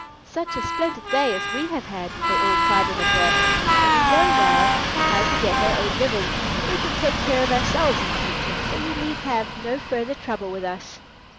"Such a splendid day as we have had!" they all cried in a breath. "And we know now how to get our own living; we can take care of ourselves in future, so you need have no further trouble with us."